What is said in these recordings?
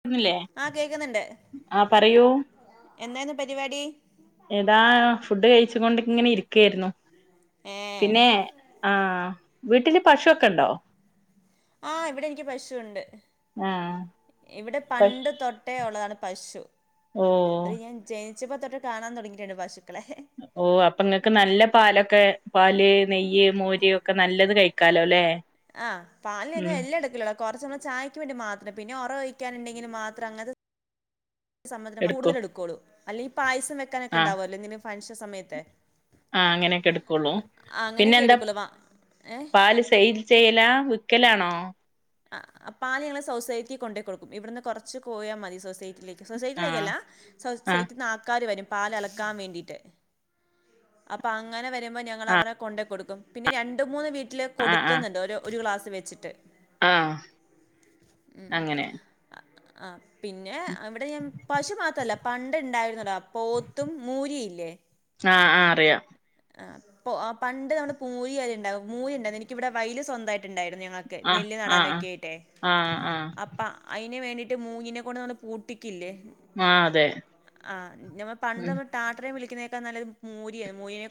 ക്കുന്നില്ലേ ആഹ് കേക്കുന്നുണ്ട് ആ പറയൂ എന്തായിരുന്നു പരിപാടി എടാ ഫുഡ് കഴിച്ചു കൊണ്ടിങ്ങിനെരിക്കെയ്രുന്നു ഏ പിന്നെ ആ വീട്ടിൽ പശുക്കെണ്ടോ ആ ഇവിടെനിക്ക് പശുണ്ട് ആഹ് ഇവിടെ പണ്ട്തൊട്ടേള്ളതാണ് പശു ഓ അത്ഞാൻ ജെ ജനിച്ചപ്പം തൊട്ടേ കാണാതുടങ്ങയിട്ടുണ്ട് പശു അപ്പൊ അപ്പൊ നിങ്ങക്ക്നല്ല പാലൊക്കെ പാൽ നെയ്യ് മോര് ഒക്കെനല്ലത് കഴിക്കാലോല്ലേ ആ പാൽ [unintelligible] കുറച്ചമ്മള് ചായക്ക് വേണ്ടിമാത്രം പിന്നെ ഒറഒഴിക്കാനുണ്ടെങ്കി മാത്രം അങ്ങനത്തെ [unintelligible] കൂടുതൽ എടുക്കും എടുക്കോള്ളൂ അല്ലെങ്കി പായസം വെക്കാനൊക്കെണ്ടാവൊലോ ഫൻഷൻസമയതത്ത് ആ അങ്ങനെയൊക്കെ എടുക്കുള്ളൂ പിന്നെ അങ്ങനെയൊക്കെ എന്താ എടുക്കുള്ളൂ വാ ഏഹ് പാൽ സെയില് ചെയ്യലാ വിക്കലാണോ ആ പാല് ഞങ്ങൾ സൊസൈറ്റി കൊണ്ടേ കൊടുക്കും ഇവിടുന്ന് കൊറച്ച് പോയാൽ മതി സൊസൈറ്റി ആഹ് സൊസൈറ്റിലേക്കല്ല ആഹ് സൊസൈറ്റിന്ന് ആൾകര് വരും പാൽ അളക്കാൻ വേണ്ടീട്ട് അപ്പൊ അങ്ങനെ വരുമ്പോ ഞങ്ങൾ ആഹ് അവരെ കൊണ്ടെ കൊടുക്കും പിന്നെ രണ്ട് മൂന്ന് വീ വീട്ടില് കൊടുക്കുന്നുണ്ട് ഒരു ഗ്ലാസ് വെച്ചിട്ട് ആഹ അങ്ങനെ ആ, ആ പിന്നെ അവിടെ ഞാൻ പശു മാത്രല്ല പണ്ട ഇണ്ടായിരുന്നടോ പോത്തും മൂരിയില്ലേ ആഹ ആ അറിയാം ആ അ ആ പണ്ട് നമ്മുടെ മൂരിയ ഉണ്ടാവും മൂരിയ ഉണ്ടായിരുന്നു എനിക്കിവിടെ വയൽ ആഹ് സ്വന്തമായിട്ടുണ്ടായിരുന്നു ആഹ് ആഹ് നെക്കട്ട ആഹ് ആഹ് അപ്പ അ വേണ്ട മൂങ്ങിനെ കൊണ്ട് ഒന്ന് പൂട്ടിക്കില്ലേ ആഹ് അതെ ആ നമ്മ ഉം പണ്ട്മ്മ ടാട്ടറയും വിളിക്കുന്നതേക്കാ നല്ലത് മോരിയ മോരിയെ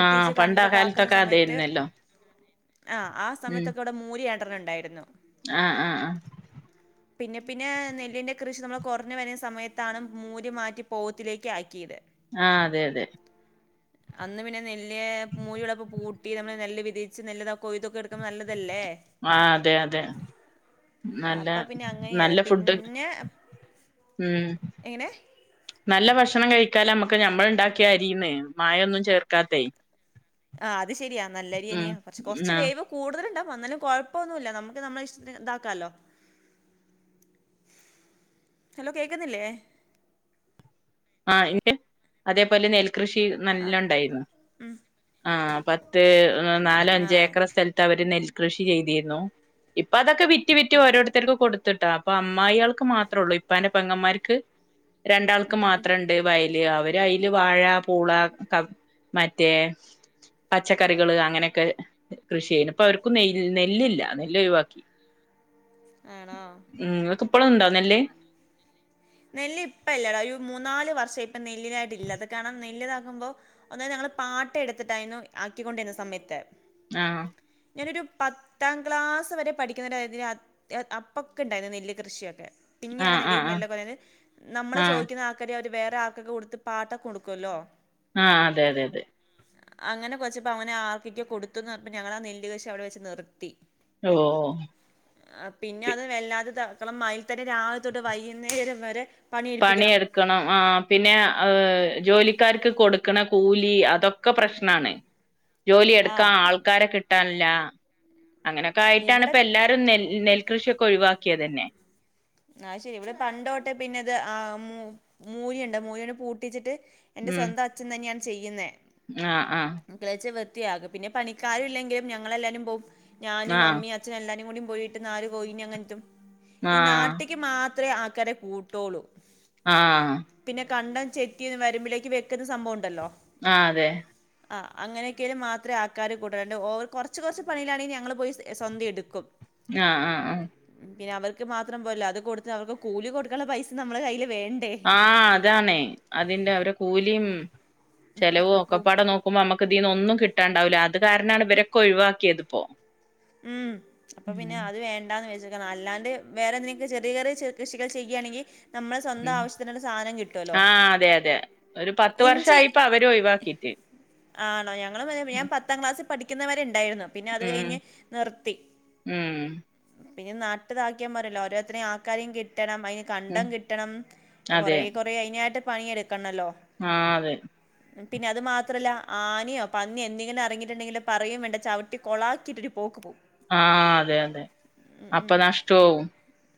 ആഹ പണ്ട കാലത്തൊക്കെ അതായിരുന്നല്ലോ ആ ആ സമയത്തൊക്കെ ഇവിടെ മൂരിയാണ്ടൻ ഉണ്ടായിരുന്നു ആഹ ആഹ ആഹ പിന്നെ പിന്നെ നെല്ലിന്റെ കൃഷി നമ്മൾ കുറഞ്ഞു വരുന്ന സമയത്താണ് മൂര് മാറ്റി പോവത്തിലേക്ക് ആക്കിയത് ആഹ അതെ അതെ അന്ന് പിന്നെ നെല്ല് മൂഴിയളപ്പ പൂട്ടി നമ്മള് നെല്ല് വിതച്ചച്ച് നെല്ലത ആ അതെ അതെ ആ, നല്ല അപ്പൊ പിന്നെ അങ്ങനെയാണ് നല്ല ഫുഡ് പിന്നെ ഉ എങ്ങനെ നല്ല ഭക്ഷണം കഴിക്കാല നമ്മുക്ക് ഞമ്മൾ ഉണ്ടാക്കിയ അരന്ന് മായൊന്നും ചേർക്കാത്ത ആഹ് അത് ശരിയാ നല്ലരിയനിയാ പക്ഷ കൊറച്ച് ആഹ് വേവ് കൂടുതലുണ്ടാവും വന്നാലും കൊഴപ്പൊന്നുമല്ല നമ്മുക്ക് നമ്മള ഇഷ്ടത്തിന് ഇതാക്കാലോ ഹലോ കേൾക്കുന്നില്ലേ ആഹ ഇ അതേപോലെ നെൽകൃഷി ആഹ് നല്ലോണ്ടായിരുന്നു ആ പത്ത് നാല അഞ്ച ആഹ് ഏക്കർ സ്ഥലത്ത് അവര് നൽ കൃഷി ചെയ്തിരുന്നു ഇപ്പൊ അതൊക്കെ വിറ്റി വിറ്റ് ഓരോരുത്തർക്കും കൊടു ട്ട അപ്പൊ അമ്യാക്കൾക്ക് മാത്രേ ഉള്ളൂ ഇപ്പ എന്റെ പെങ്ങമാർക്ക് രണ്ടാൾക്ക് മാ അത്രുണ്ട് വയല് അവര് ആയിൽ വാഴ പൂള ക മറ്റേ പച്ചക്കറികള് അങ്ങനെയൊക്കെ കൃഷി ചെയ്യുന്നു ഇപ്പൊ അവർക്കും ന നെല്ലില്ല നെല്ല് ഒഴിവാക്കി [inaudible] ആണോ ഉം ഇക്ക ഇപ്പോളും ഉണ്ടോ നെല്ല് നെല് ഇപ്പ ഇല്ലടാ ഒരു മൂന്ന നാല് വർഷം ഇപ്പൊ നെല്ലിനായിട്ട് ഇ അത് കാരണം നെല്താക്കുമ്പോ ഒന്ന ഞ പാട്ട് എടുത്തിട്ടായിരുന്നു ആക്കിക്കൊണ്ടിരുന്ന സമയത്ത് ആഹ ഞാനൊരു പത്താം ക്ലാസ് വരെ പഠിക്കുന്ന അപ്പൊക്കെ ഉണ്ടായിരുന്നു നെല്ല് കൃഷിയൊക്കെ പിന്നെയാണ് ആഹ് നെില ആഹ് ആഹ് മെല്ല കൊല്ലന്ന് നമ്മള് ആഹ് ചോദിക്കുന്ന ആക്ക അവര് വേറെ ആൾക്കൊക്കെ കൊടുത്ത് പാട്ടൊക്ക കൊടുക്കല്ലോ ആഹ അതെ അതെ അതെ അങ്ങനെ കൊച്ചപ്പോ അങ്ങനെ ആർക്കൊക്കെ കൊടുത്തു ഞങ്ങള നെല്ലല് കൃഷി അവിടെ വെച്ച് നിർത്തി ഓ ആ പിന്നെ അത് വല്ലാത്തത മക്കളം മൈൽ തന്നെ രാവിലെ തൊട്ട് വൈകുന്നേരം വരെ പണിയെടുപ്പിക്കണം പണിയെടുക്കണം ആ പിന്നെ ജോലിക്കാർക്ക് കൊടുക്ക കൂലി അതൊക്കെ പ്രശ്നമാണ് ജോലി ആ എടുക്കാ ഇ- ആൾക്കാരെ കിട്ടാൻ അങ്ങനൊക്കെ ആയിട്ടാണ് ഇവിടെ ഇപ്പ എല്ലാരും നെ നെൽകൃഷിയൊക്കെ ഒഴിവാക്കിയത് തന്നെ ആഹ ശരി ഇവിടെ പണ്ടോട്ടെ പിന്നെ ഇത് ആ മ മൂരിയുണ്ട് മൂരിയോണ്ട് പൂട്ടിച്ചിട്ട് എന്റെ സ്വന്തം അച്ഛൻ തന്നെയാണ് ചെയ്യുന്നേ ആഹ ആഹ കൃയാകും പിന്നെ പണിക്കും ഇല്ലെങ്കില ഞങ്ങളെല്ലാരും പോകും ഞാനും ആഹ് അമ്മി അച്ഛും എല്ലാരും കൂടി- പോയിട്ട് നാല് പോയിനി അങ്ങട്ടും. ആഹ് മാത്രേ ആക്കാരെ കൂട്ടോളൂ. ആഹ് കണ്ടം ചെത്തി വരമ്പിലേക്ക് വെക്കുന്ന സംഭവം ണ്ടല്ലോ. ആ അതെ. ആ അങ്ങനെയൊക്കെങ്ങി മാത്രേ ആൾക്കാര് കൂടണ്ടു ഓ കൊറച്ച് കൊറച്ച് പണിയാണെങ്കിൽ ഞങ്ങൾ പോയി സ്വന്തം എടുക്കും. ആ ആ ആ ഉം, പിന്നെ അവർക്ക് മാത്രം പോരല്ലോ അത് കൊടുത്ത് അവർക്ക് കൂലി കൊടുക്കാനുള്ള പൈസ നമ്മുടെ കയ്യി- ആ അതാണേ അതിന്റെ അവരെ കൂലീം ചെലവോ അക്കൂ ഒക്കെപ്പാടെ നോക്കുമ്പോ ഞമ്മക്ക്- ഇതിന്ന് ഒന്നും കിട്ടാണ്ടാവൂല്ല അത് കാരണാണ് ഇവരൊക്കെ ഒഴിവാക്കിയത് ഇപ്പോ ഉം അപ്പൊ പിന്നെ ഉം അത് വേണ്ടാന്ന് വെച്ചു അല്ലാണ്ട് വേറെ എന്തെങ്കിലും ചെറിയ ചെറിയ കൃഷികൾ ചെയ്യാണെങ്കി നമ്മളെ സ്വന്തം ഉം ആവശ്യത്തിനുള്ള സാധനം കിട്ടോല്ലോ ആഹ് അതെ അതെ ഒരു പത്ത് ഇഞ്ചി- വർഷായിപ്പ അവര് ഒഴിവാക്കീട്ട് ആണോ ഞങ്ങൾ ഞാൻ പത്താം ക്ലാസ്സിൽ പഠിക്കുന്നവരെ ണ്ടായിരുന്നു പിന്നെ അത് ഉം കഴിഞ്ഞ് ഉം [unintelligible] കിണം അതിന് ഉം കണ്ടം കിട്ടണം കൊറേ കൊറെ അയ്നായിട്ട് പണിയെടുക്ക. ആ അതെ. പിന്നെ അതു മാത്രല്ല ആനയോ പന്നിയോ എന്തെങ്കിലും എറങ്ങിയിട്ട്ണ്ടെങ്കിൽ പറയും വേണ്ട ചവിട്ടി കൊളാക്കിയിട്ടി- ആ അതെ അതെ ഉം അപ്പ ഉം നഷ്ടാവും.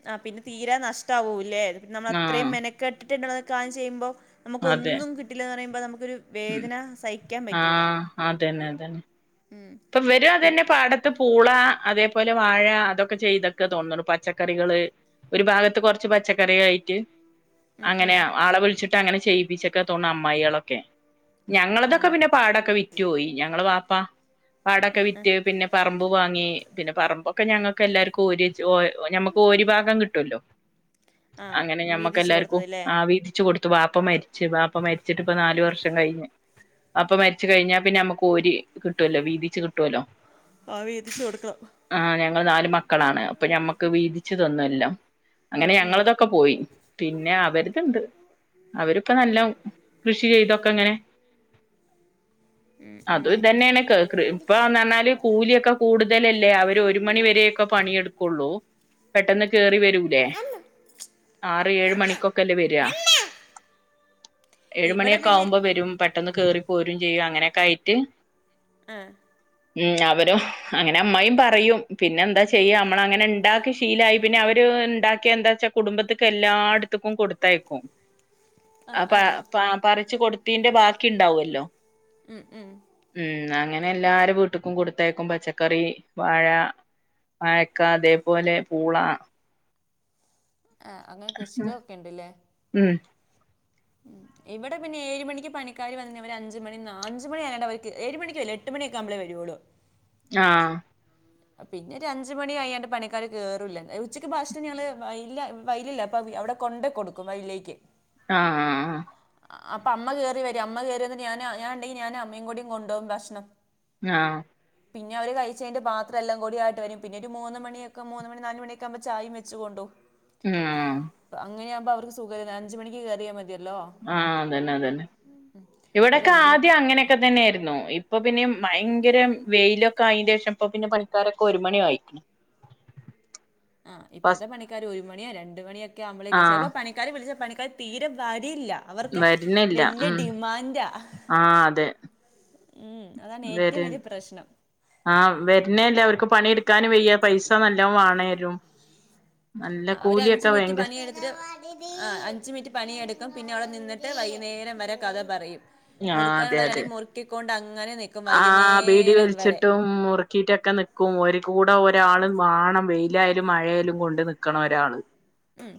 ആ പിന്നെ തീരെ നഷ്ടാവുല്ലേ നമ്മൾ അത്രേം ആഹ് മെനക്കെട്ടിട്ട് കാര്യം ചെയ്യുമ്പോ- നമുക്ക് അതെ ഒന്നും കിട്ടില്ലെന്നറിയുമ്പോ നമുക്ക്- അതൊരു ഉം വേദന സയിക്കാൻ പറ്റൂല. ആഹ് അതന്നെ അതന്നെ ഉം ഇപ്പൊ വരും പിൻ അതെന്നെ പാടത്ത്. പൂള അതേപോലെ വാഴ അതൊക്കെ ചെയ്തെക്കെ തോന്ന്ണ്ട് പച്ചക്കറികള് ഒരു ഭാഗത്ത് കൊർച്ച് പച്ച - ച്ചക്കറി ആയിട്ട് ഉം അങ്ങനെ ഉം ആളെ വിളിച്ചിട്ട് അങ്ങനെ ചെയ്യിപ്പിച്ച്ക്ക തോന്ന്ണ് അമ്മായാളൊക്കെ. ഞങ്ങളതൊക്കെ ആണോ പിന്നെ പാടൊക്കെ വിറ്റോയി ഞങ്ങളെ വാപ്പ. പാടൊക്കെ ആ വിറ്റ് പിന്നെ പറമ്പ് വാങ്ങി പിന്നെ പറമ്പോ - ക്കെ ഞങ്ങക്ക് എല്ലാര്ക്കും ഓര്യച്ച് ഒ ഞമ്മക്ക് ഓരി ഭാഗം കിട്ടല്ലോ. ആ അങ്ങനെ ഞമ്മക്ക് വീതിച്ചു എല്ലാര്ക്കും കൊടുത്തത് ല്ലേ ആ വീതിച്ച് കൊടു വാപ്പ മരിച്ച് വാപ്പ മരിച്ചിട്ട്പ്പോ നാല് വർഷം കയ്ഞ്ഞ്- വാപ്പ മരിച്ച കഴിഞ്ഞാ പിന്നെ ഞമ്മക്ക് ഓരി കിട്ടുവല്ലോ വീതിച്ച് കിട്ടുവല്ലോ- ആ വീതിച്ചു കൊടുക്കണം ആഹ് ഞങ്ങള് നാല് മക്കളാണ് അപ്പൊ ഞമ്മക്ക് വീതിച്ച് തന്ന് എല്ലാം. ഉം അങ്ങനെ ഉം ഞങ്ങളതൊക്കെ പോയി പിന്നെ അവരത്ണ്ട്. അവരിപ്പോ നല്ലോം കൃഷി ചെയ്തോ ക്കങ്ങനെ ഉം അതും ഉം ഇതന്നേണ് കൃ ഇപ്പന്ന് പറഞ്ഞാല് കൂലിയൊക്കെ കൂടുതലല്ലേ അവർ ഒരു മണിവരെയൊക്കെ പണിയെടുക്കൊള്ളൂ. പെട്ടെന്ന് കേറി വെരൂലേ? ആറ് ഏഴ് മണിക്കൊക്കല്ലേ വെര. ഇവിടെ പിന്നെ ഏഴുമണിയൊക്കാകുമ്പോ വെരും പെട്ടെന്ന് കേറി പോരും ചെയ്യും അങ്ങനൊക്കായിട്ട് ആ ഉം അവരും അങ്ങനെ അമ്മായിം പറയും പിന്നെന്താ ചെയ്യ നമ്മളങ്ങനെ ണ്ടാക്കി ശീലായി പിന്നെ അവര്- ണ്ടാക്ക്യ എന്താ വച്ചാ കുടുംബത്തിക്കെല്ലാട്ത്ത്ക്കും കൊടുത്തയക്കും. ആ അ പ ആ പ പറിച് കൊടുത്തീന്റെ ബാക്കി ണ്ടാവല്ലോ. മ് മ് പിന്നേല്ലാരെ വീട്ട്ക്കും കൊട്ത്തയക്കും പച്ചക്കറി, വാഴ വായക്ക അതേ പോലെ പൂള ആ അങ്ങനെ കൃഷികളൊക്കെ ണ്ട്ല്ലേ ഉം ഉം ഇവിടെപ്പിന്നേഴ്മണിക്ക് പണിക്കാര് വന്ന്കയ്ഞ അഞ്ച് മണി നാ അഞ്ചുമണി ഏഴ് മണിക്ക് വരില്ല എട്ട് മണിക്കെ വരൊള്ളൂ [unintelligible] ആഹ് പിന്നൊരഞ്ചുമണി കയ്യാണ്ട് പണിക്കാര് കേറൂല ഉച്ചക്ക് ഭക്ഷണം ഞങ്ങള് [unintelligible] അവിടെ കൊണ്ടേ കൊടുക്കും വയില്ലേക്ക് ആഹ് ആഹ് അപ്പമ്മ കേറി വരു, അമ്മ കേറി വന്ന്റ്റ് ഞാന് ഞാണ്ടെങ്കി ഞാന് അമ്മയും കൂടി കൊണ്ടോവും ഭഷ്ണം ആ പിന്നെ അവര് കയ്ച്ചയ്ന്റെ ബാ എല്ലും കൂടി ആയിട്ട് വരും പിന്നൊര് മൂന്ന് മണിയൊക്ക മൂന്ന് മണി നാല് മണിയൊക്കാകുമ്പൊ ചായേം വെച്ച് കൊണ്ടോവും ആഹ് അങ്ങനെയാമ്പൊ അവർക്ക് സുഖായ്ര്ന്ന് അഞ്ചുമണിക്ക് കേറിയാ മതിയാ ആഹ് അതന്നെ അതന്നെ പക്ഷെ ഇവടെക്കെ അഞ്ച് മണി ആദ്യങ്ങെനെക്കെ തന്നേര്ന്നു ഇ ഇപ്പൊ പിന്നെയ് ഭയങ്കരം വെയിലൊക്കായീന്റേഷം ഇപ്പൊ പിന്നെ പണിക്കാരൊക്കൊരുമണി ആയിക്ക്ണ് ആ ഫസ് ഇപ്പത്തെപ്പണിക്കാരൊരുമണിയാ രണ്ടുമണിയൊക്കെയാവുമ്പളേക് ആഹ് ചെലപ്പോ പണിക്കാര് വിളിച്ച പണിക്കാര് തീരെ വ ടിയില്ല അവർക്ക് വരുന്നില്ല വെല്യ ഉം ഡിമാൻഡാ ആഹ് അതെ ഉം അതാണ് ഏറ്റവും വലിയ പ്രശ്നം ആ വെര്ണേല്ല അവര്ക്ക് പണിട്ക്കാനു വെയ്യാ പൈസ നല്ലോം വാണേനും ആ അവര് അഞ്ച് മിറ്റ് പണിയെട്ത്ത്റ്റ് ആ അഞ്ച് മിറ്റ് പണിയെടുക്കും പിന്നവടെ നിന്നി ട്ട് വൈക്ന്നേരം വരെ കഥ പറയും മുറുക്കാനുള്ളരാണെയ് മുറുക്കിക്കോണ്ടങ്ങനെ നിക്കും ആ ബീടി വലിച്ചിട്ടും, മുറുക്കീട്ടൊക്കെ നിക്കും, ഒരു കൂടെ ഒരാള് മാണം വെയ് ലായാലും മഴയായാലും കൊണ്ട് നിൽക്കണം ഒരാള് ഉം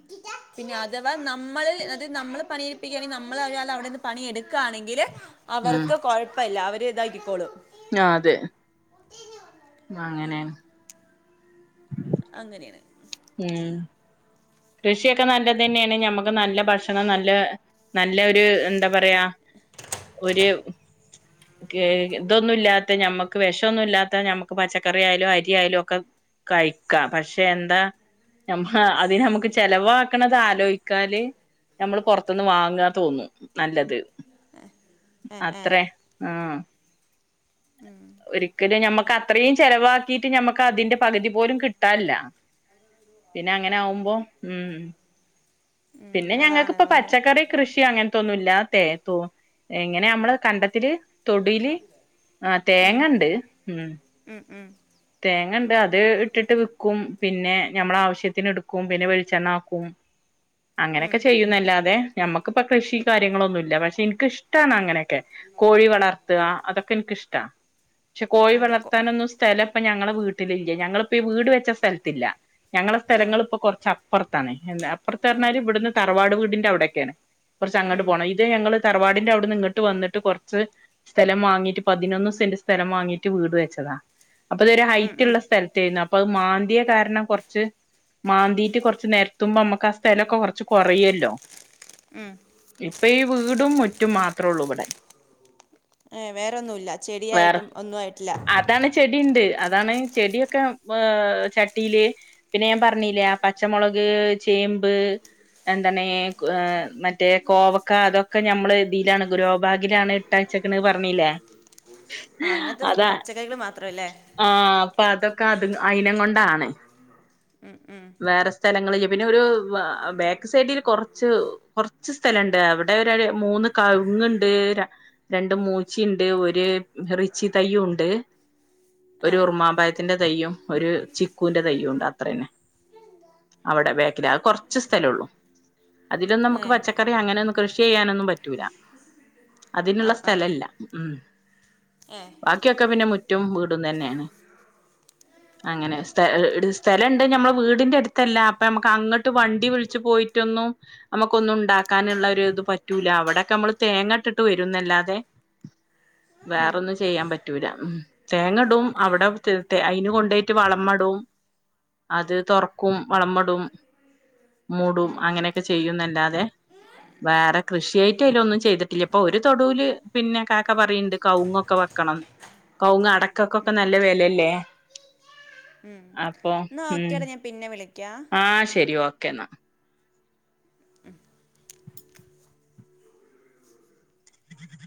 പിന്നെ അഥവാ നമ്മള് അത് നമ്മള് പണിയിരിപ്പിക്കാണേ നമ്മൾ ഒരാള് അവിടെന്ന് പണിയെട് ക്കാണെങ്കില് അവർക്ക് കൊഴപ്പമല്ല അവര് ഇതാക്കിക്കോളും ആ അതെ ആ അങ്ങനേ അങ്ങനേണ് ഉം കൃഷിയൊക്കെ നല്ലതന്നേണ് നമുക്ക് നല്ല ഭക്ഷണം നല്ല നല്ലൊര്, എന്താ പറയാ ഒര്, ഏ ഇതൊന്നുല്ലാത്തെ ഞമ്മക്ക് വെഷോന്നുല്ലാത്തെ ഞമ്മക്ക് പച്ചക്കറിയായാലും അരിയായാലും ഒക്കെ കഴിക്കാ, പഷേ എന്താ ഞമ്മ അതിനമ്മ ചെലവാക്കണത് ആലോയിക്കാല് ഞമ്മള് പൊറത്തുന്ന് വാങ്ങാ തോന്നു നല്ലത് ഏ ഏ അത്രേ ആ ഉം, ഒരിക്കലു ഞമ്മക്ക് അത്രീം ചെലവാക്കീറ്റ് ഞമ്മക്ക് അതിന്റെ പകുതി പോലും കിട്ടാല്ലാ പിന്നങ്ങനാഉമ്പോ ഉം ഉം, പിന്നെ അതാണ് ഞങ്ങക്കിപ്പൊ ഒന്നും പച്ചക്കറി കൃഷി അങ്ങൻ ത്തൊന്നുല്ലാ തേ തോം എങ്ങനെ മ്മള് കണ്ടത്തില് തൊടീല്, ആ ഉം, തേങ്ങണ്ട് ഉം ഉം, ഉം, തേങ്ങണ്ട്, അത് ഇട്ട്ട്ട് വിക്കും പിന്നെ ഞമ്മളാവശ്യത്തിന്ട്ക്കും, പിന്നെ വെളിച്ചെണ്ണാക്കും ഉം, അങ്ങനെക്കെ ചെയ്യുന്നല്ലാതെ ഞമ്മക്കിപ്പ കൃഷി കാര്യങ്ങളൊന്നുല്ല പക്ഷെ എനിക്കിഷ്ടാണ് അങ്ങനെ ക്കെ, കോഴി വളർത്ത ആ അതൊക്കെൻക്ക്ഷ്ട്ടാ പക്ഷെ കോഴി അനക്കോ വളർത്താനൊന്നു സ്ഥല ഇപ്പഞ്ഞങ്ങളെ വീട്ടിലില്ല ഞങ്ങളിപ്പ ഈ വീട് വെച്ച സ്ഥൽത്ത്ല്ലാ ഞങ്ങളെ ആ, സ്ഥലങ്ങള്പ്പൊ കൊർച്ച അപ്പറത്താണ് എന്താ അപ്പർത്ത് ഉം, അർഞ്ഞാല്, ഇവ്ട്ന്ന് തറവാട് വീടിന്റവടേക്കാണ് കൊർച്ചങ്ങട്ട് ഉം, പോണം ഇതേ ഞങ്ങള് തറവാടിന്റവ്ട്ന്നിങ്ങട്ട് വന്ന്ട്ട് കൊർച്ച് സ്ഥലം വാങ്ങിറ്റ് പതിനൊന്ന് സെന്റ് സ്ഥലം വാങ്ങിറ്റ് വീട് വെച്ചതാ അപ്പൊ അതൊരു ഉം, ഹൈറ്റ് ഉം, ഉള്ള സ്ഥലത്തായിരുന്നു അപ്പൊ അത് മാന്തിയെ കാരണം കുറച്ച് മാന്തിറ്റ് കൊറച്ച് നിരത്തുമ്പോ നമ്മുക്ക് ആ സ്ഥലമൊക്കെ കൊറച്ച് കുറയല്ലോ ഉം. ഇപ്പ ഈ വീടും മുറ്റും മാത്രേ ഒള്ളു ഇവിടെ ഏഹ് വേറൊന്നുമല്ല ചെടിയായിട്ടും ഒന്നും ആയിട്ടില്ല ണ്ട് അതാണ് ചെടിക്കെ ചട്ടിയില് പിന്നെ ഞാൻ പറഞ്ഞില്ലേ പച്ചമുളക് ചേമ്പ് എന്താണ് ഏ് മറ്റേ കോവക്ക അതൊക്കെ നഞമ്മൾ ഇതിയിലാണ് ഗുരോബാഗിലാണ് ഇട്ട അച്ചക്കന് പറഞ്ഞീലേ അങ്ങനത്തെ പച്ചറികൾ മാത്ര ആഹ അപ്പൊ അതൊക്കെ അത് അയിനം കൊണ്ടാണ് ഉം, ഉം. വേറെ സ്ഥലങ്ങളിൽ പിന്നെ ഒരു ബാക്ക് സൈഡില് കുറച്ച് കുറച്ച് സ്ഥലുണ്ട് അവിടെ ഒരു മൂന്ന് ക ഇങ്ങുണ്ട് രണ്ട് മൂച്ചിയുണ്ട് ഒരു റിച്ചി തയ്യു ഉണ്ട് ഉ ഒരു ഉർുമാമ്പായത്തിറെ തയ്യയും ഒരു ചിക്കുവിന്റെ തയ്യയും ഉണ്ട് അത്രേന്നെ അവിടെ വേക്കല കുറച്ച് സ്ഥലം ഉള്ളൂ അതിലന്നും ഏ നമുക്ക് പച്ചക്കറി അങ്ങനെയൊന്നും കൃഷി ചെയ്യാനൊന്നും പറ്റൂല ആ അതിനുള്ള ആ സ്ഥലല്ല മ്മ് ഏ ബാക്കിയൊക്കെ പിന്നെ മുറ്റും വീ തന്നെയാണ് മ്മ് അങ്ങനെ സ് സ്ഥലംണ്ട് നമ്മെ വീടിന്റെ അടുത്തല്ല അപ്പൊ നമ്മുക്ക് അങ്ങോട്ട് വണ്ടി വിളിച്ചച്ച് പോയിട്ടൊന്നും നമുക്കൊന്നും ഉണ്ടാക്കാനുള്ള ഇത് പറ്റൂല അവിടക്കെ നമ്മള് തേങ്ങട്ടിട്ട് വരുന്നല്ലാതെ [inaudible] ഉം, വേറെൊന്നും ചെയ്യാൻ പറ്റൂല തേങ്ങടും ഏ അവിടെ അയിന് കൊണ്ടയിട്ട് വളമടും അത് തുറക്കും വളമടും മൂടും അങ്ങനെയൊക്കെ ചെയ്യുന്നല്ലാതെ വേറെ കൃഷിയായിട്ട് അതില ഒന്നും ചെയ്തിട്ടില്ല ഇപ്പൊ ഒരു തൊടുവില് പിന്നെ കാക്ക പറയണ്ട് കവങ്ങൊക്കെ ക്കണം കൗങ്ങ് അടക്കൊക്കൊക്കെ നല്ല വിലല്ലേ ഉം നോക്കെടാ ഞാൻ പിന്നെ വിള ആഹ ശെരി ഓക്കേ എന്നാ [inaudible]